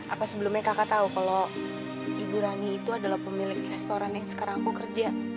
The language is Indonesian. apa sebelumnya kakak tahu kalau ibu rani itu adalah pemilik restoran yang sekarang aku kerja